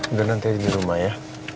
udah nanti di rumah ya